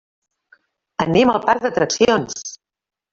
Anem al parc d'atraccions.